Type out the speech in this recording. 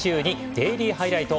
「デイリーハイライト」。